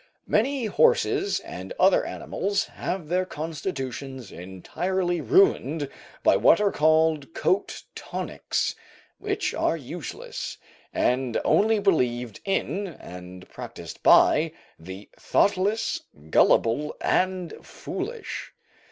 Many horses and other animals have their constitutions entirely ruined by what are called "coat tonics," which are useless, and only believed in and practised by the thoughtless, gullible, and foolish.